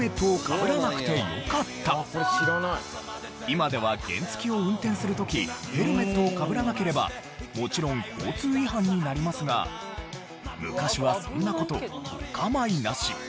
今では原付きを運転する時ヘルメットをかぶらなければもちろん交通違反になりますが昔はそんな事お構いなし。